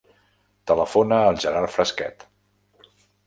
Telefona al Gerard Frasquet.